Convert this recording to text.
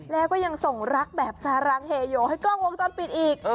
แล้วก็ยังส่งรักแบบซารังเฮโยให้กล้องวงจรปิดอีก